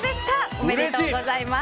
おめでとうございます。